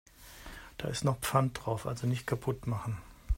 Da ist noch Pfand drauf, also nicht kaputt machen.